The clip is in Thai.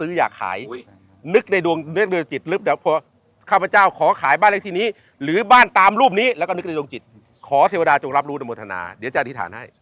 อยากขายนึกในดวงนึกโดยจิตลึกเดี๋ยวพอข้าพเจ้าขอขายบ้านเลขที่นี้หรือบ้านตามรูปนี้แล้วก็นึกในดวงจิตขอเทวดาจงรับรู้โดยโมทนาเดี๋ยวจะอธิษฐานให้